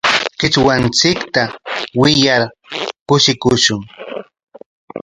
Qichwanchikta wiyar kushikushun.